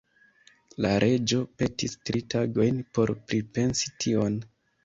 La reĝo petis tri tagojn por pripensi tion.